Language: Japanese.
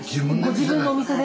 ご自分のお店で？